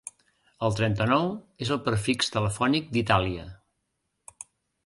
El trenta-nou és el prefix telefònic d'Itàlia.